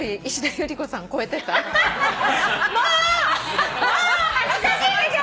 もう恥ずかしいでしょ！